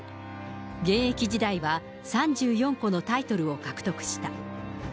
現役時代は３４個のタイトルを獲得した。